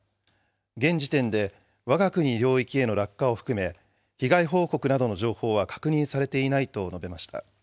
現時点で、わが国領域への落下を含め、被害報告などの情報は確認されていないと述べました。